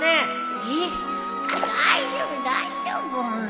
えっ大丈夫大丈夫。